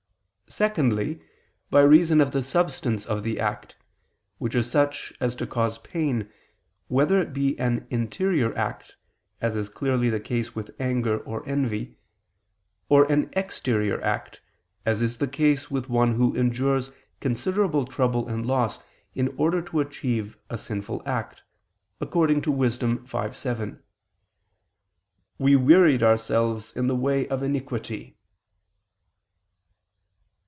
Secondly, by reason of the substance of the act, which is such as to cause pain, whether it be an interior act, as is clearly the case with anger or envy, or an exterior act, as is the case with one who endures considerable trouble and loss in order to achieve a sinful act, according to Wis. 5:7: "We wearied ourselves in the way of iniquity."